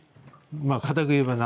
まあかたく言えばな。